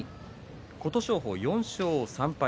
琴勝峰は４勝３敗。